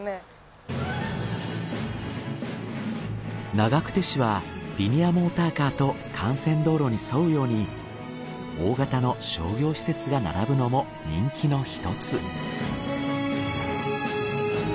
長久手市はリニアモーターカーと幹線道路に沿うように大型の商業施設が並ぶのも人気の１つ。